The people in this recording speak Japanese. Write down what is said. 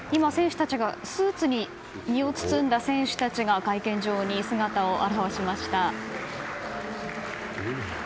今、スーツに身を包んだ選手たちが会見場に姿を現しました。